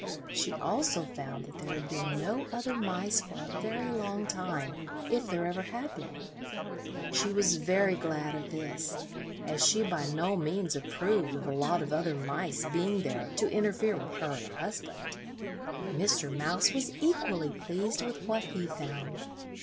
She also found that there had been no other mice for a very long time, if there ever had been. She was very glad of this, as she by no means approved of a lot of other mice being there to interfere with her and her husband. Mr. Mouse was equally pleased with what he found.